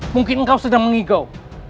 mungkin engkau sedang mengigau